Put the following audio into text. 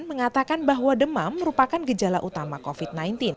mengatakan bahwa demam merupakan gejala utama covid sembilan belas